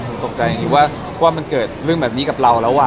ผมตกใจว่ามันเกิดเรื่องแบบนี้กับเราแล้วว่า